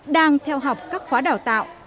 đang theo học các khóa đào tạo